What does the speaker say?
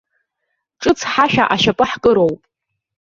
Ҿыц ҳашәа ашьапы ҳкыроуп.